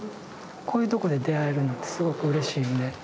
こういうとこで出会えるのってすごくうれしいんで。